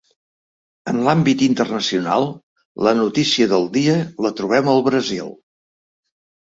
En l’àmbit internacional la notícia del dia la trobem al Brasil.